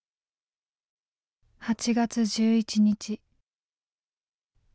「８月１１日」。